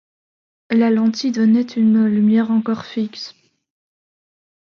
La lentille donnait une lumièreencore fixe.